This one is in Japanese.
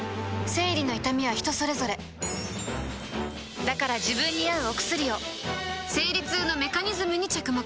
生理の痛みは人それぞれだから自分に合うお薬を生理痛のメカニズムに着目